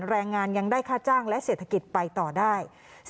แรงงานยังได้ค่าจ้างและเศรษฐกิจไปต่อได้